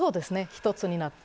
一つになって。